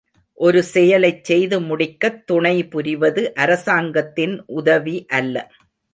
ஒரு செயலைச் செய்து முடிக்கத் துணை புரிவது அரசாங்கத்தின் உதவி அல்ல.